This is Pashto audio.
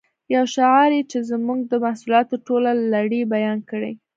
یو شعار چې زموږ د محصولاتو ټوله لړۍ بیان کړي